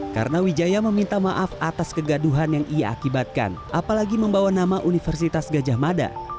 karena wijaya meminta maaf atas kegaduhan yang ia akibatkan apalagi membawa nama universitas gajah mada